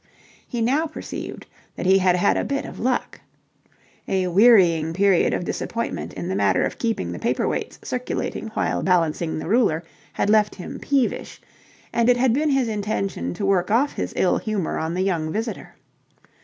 He now perceived that he had had a bit of luck. A wearying period of disappointment in the matter of keeping the paper weights circulating while balancing the ruler, had left him peevish, and it had been his intention to work off his ill humour on the young visitor.